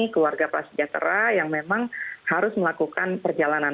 keluarga pelas sejahtera yang memang harus melakukan perjalanan